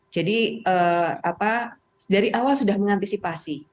jadi dari awal sudah mengantisipasi